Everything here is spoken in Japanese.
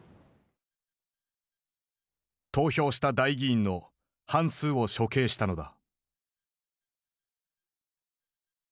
投票した代議員の半数を処刑したのだ。